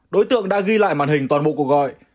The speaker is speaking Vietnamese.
đối tượng đã ghi lại màn hình toàn bộ cuộc gọi